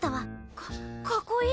かかっこいい！